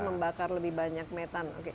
membakar lebih banyak metan